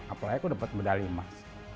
apalagi aku dapat medali emas